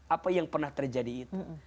apa yang pernah terjadi itu